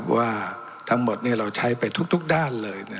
ว่าทั้งหมดเราใช้ไปทุกด้านเลย